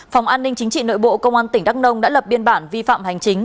phòng an ninh chính trị nội bộ công an tỉnh đắk nông đã lập biên bản vi phạm hành chính